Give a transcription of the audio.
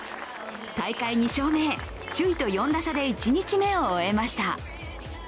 大会２勝目へ、首位と４打差で１日目を終えました。